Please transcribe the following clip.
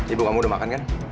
ibu kamu udah makan kan